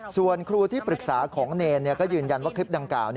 ส่วนครูที่ปรึกษาของเนรก็ยืนยันว่าคลิปดังกล่าว